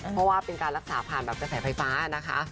คือเป็นการรักษาผ่านแบบแถวไฟฟ้า